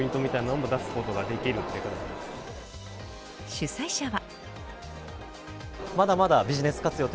主催者は。